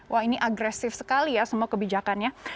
wah ini agresif sekali ya semua kebijakannya